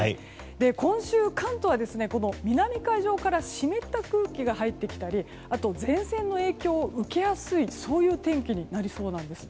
今週、関東は南海上から湿った空気が入ってきたり前線の影響を受けやすい天気になりそうなんです。